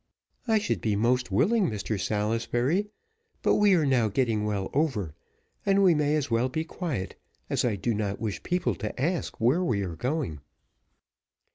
"I should be most willing, Mr Salisbury; but we are now getting well over, and we may as well be quiet, as I do not wish people to ask where we are going."